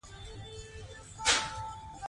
کم مه ورکوئ.